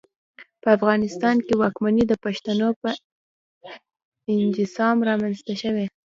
په افغانستان کې واکمنۍ د پښتنو په انسجام رامنځته شوې.